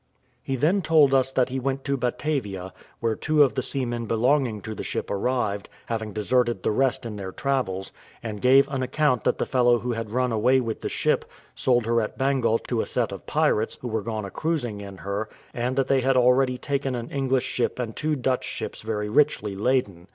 He then told us that he went to Batavia, where two of the seamen belonging to the ship arrived, having deserted the rest in their travels, and gave an account that the fellow who had run away with the ship, sold her at Bengal to a set of pirates, who were gone a cruising in her, and that they had already taken an English ship and two Dutch ships very richly laden.